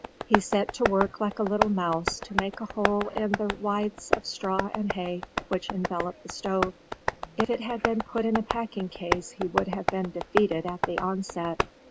he set to work like a little mouse to make a hole in the withes of straw and hay which enveloped the stove. If it had been put in a packing case he would have been defeated at the onset.